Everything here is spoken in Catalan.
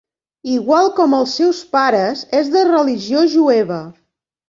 Igual com els seus pares, és de religió jueva.